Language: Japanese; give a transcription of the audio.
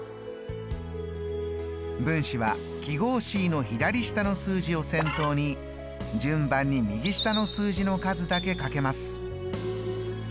分子は記号Ｃの左下の数字を先頭に順番に右下の数字の数だけかけます。